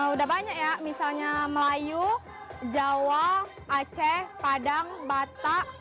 udah banyak ya misalnya melayu jawa aceh padang batak